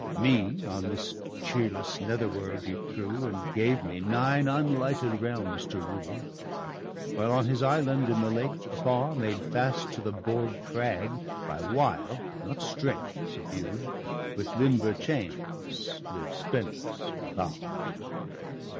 Me on this cheerless nether world ye threw And gave me nine unlighted realms to rule. While, on his island in the lake, afar, Made fast to the bored crag, by wile not strength Subdued, with limber chains lives Fenris bound.